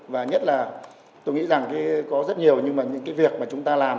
và nhất là tôi nghĩ rằng có rất nhiều những cái việc mà chúng ta làm